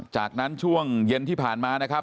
จากนั้นช่วงเย็นที่ผ่านมา